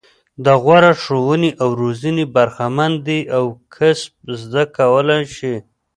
له غوره ښوونې او روزنې برخمن دي او کسب زده کولای شي.